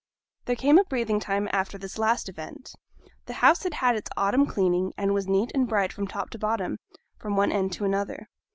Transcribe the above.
There came a breathing time after this last event. The house had had its last autumn cleaning, and was neat and bright from top to bottom, from one end to another.